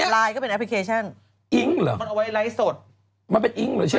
คุณหมอโดนกระช่าคุณหมอโดนกระช่า